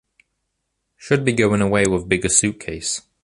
Should be going away with bigger suitcase.